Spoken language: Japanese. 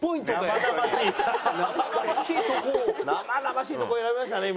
生々しいとこ選びましたね